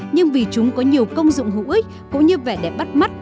nhưng vì chúng có nhiều công dụng hữu ích cũng như vẻ đẹp bắt mắt